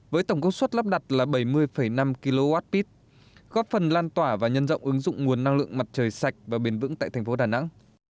với tổng công suất lắp đặt là bảy mươi năm kwh góp phần lan tỏa và nhân rộng ứng dụng nguồn năng lượng mặt trời sạch và bền vững tại thành phố đà nẵng